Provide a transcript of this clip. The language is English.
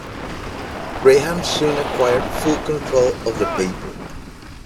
Graham soon acquired full control of the paper.